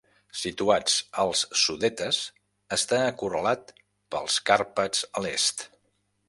Situat als Sudetes, està acorralat pels Carpats a l'est.